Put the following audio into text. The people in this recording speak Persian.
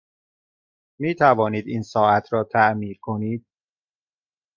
می توانید این ساعت را تعمیر کنید؟